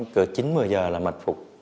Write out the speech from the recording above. của chín một mươi giờ là mật phục